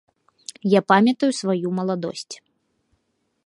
Я памятаю сваю маладосць.